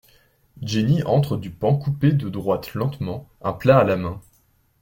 Jenny entre du pan coupé de droite lentement, un plat à la main.